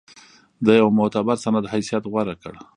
د یوه معتبر سند حیثیت غوره کړ.